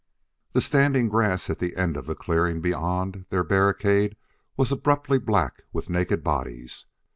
The standing grass at the end of the clearing beyond their barricade was abruptly black with naked bodies.